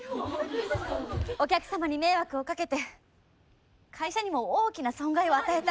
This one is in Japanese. お客様に迷惑をかけて会社にも大きな損害を与えた。